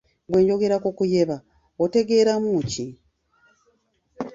Bwe njogera ku kuyeba otegeeramu ki?